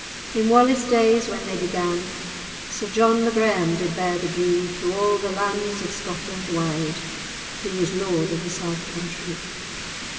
In Wallace days, when they began, Sir John the Graham[#] did bear the gree Through all the lands of Scotland wide: He was lord of the south countrie.